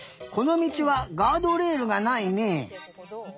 このみちはガードレールがないね。